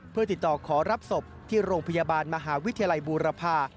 เพื่อติดต่อขอรับศพที่โรงพยาบาลมหาวิทยาลัยบูรพา